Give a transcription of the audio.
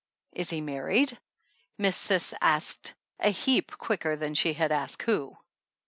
"Is he married?" Miss Cis asked a heap quicker than she had asked who.